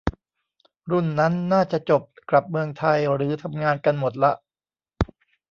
รุ่นนั้นน่าจะจบกลับเมืองไทยหรือทำงานกันหมดละ